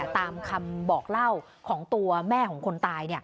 ตามคำบอกเล่าของตัวแม่ของคนตาย